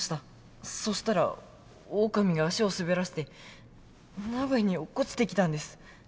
そしたらオオカミが足を滑らせて鍋に落っこちてきたんです。